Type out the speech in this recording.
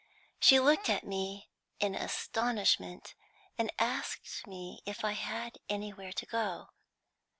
She looked at me in astonishment, and asked me if I had anywhere to go to.